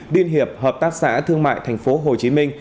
liên hiệp hợp tác xã thương mại thành phố hồ chí minh